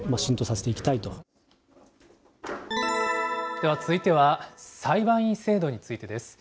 では続いては、裁判員制度についてです。